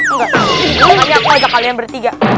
enggak tapi aku ajak kalian bertiga